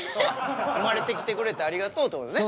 生まれてきてくれてありがとうというね。